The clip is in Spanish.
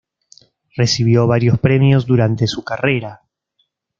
Recibió varios premios durante su carrera.